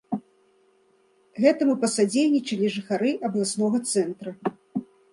Гэтаму пасадзейнічалі жыхары абласнога цэнтра.